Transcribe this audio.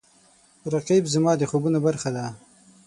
رقیب زما د خوبونو برخه ده